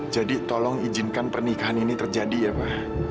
jadi tolong izinkan pernikahan ini terjadi ya pa